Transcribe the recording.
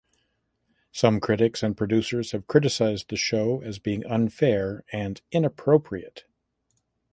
Some critics and producers have criticized the show as being unfair and inappropriate.